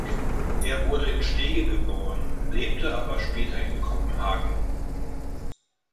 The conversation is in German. Er wurde in Stege geboren, lebte aber später in Kopenhagen.